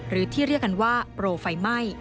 หรือที่เรียกกันว่าโปรไฟไหม้